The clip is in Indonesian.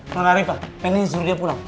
nona riva pengennya suruh dia pulang